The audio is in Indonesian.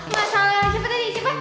masalah siapa tadi siapa